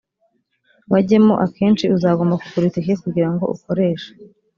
bajyemo akenshi uzagomba kugura itike kugirango ukoreshe